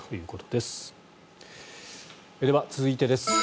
では、続いてです。